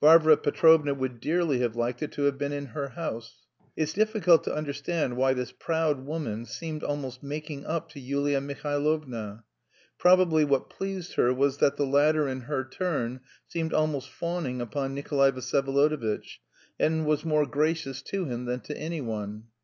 Varvara Petrovna would dearly have liked it to have been in her house. It's difficult to understand why this proud woman seemed almost making up to Yulia Mihailovna. Probably what pleased her was that the latter in her turn seemed almost fawning upon Nikolay Vsyevolodovitch and was more gracious to him than to anyone.